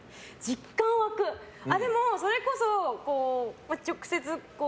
でも、それこそ、直接。